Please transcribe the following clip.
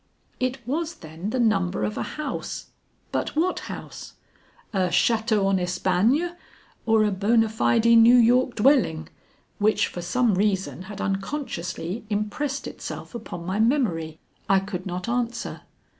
It was, then, the number of a house; but what house? a chateau en Espagne or a bona fide New York dwelling, which for some reason had unconsciously impressed itself upon my memory? I could not answer.